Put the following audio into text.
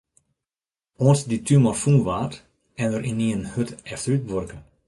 Oant dy tumor fûn waard, en er ynienen hurd efterútbuorke.